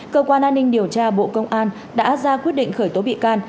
cơ quan an ninh điều tra bộ công an đã ra quyết định khởi tố bị can